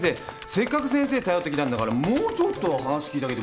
せっかく先生頼ってきたんだからもうちょっと話聞いてあげてもいいじゃない。